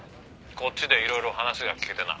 「こっちでいろいろ話が聞けてな」